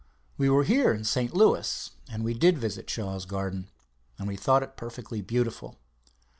We were here in St. Louis, and we did visit Shaw's Garden, and we thought it perfectly beautiful.